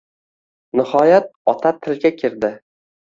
Nihoyat, ota tilga kirdi